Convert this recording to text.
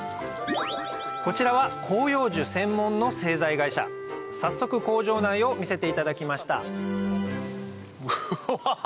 こちらは広葉樹専門の製材会社早速工場内を見せていただきましたうわ！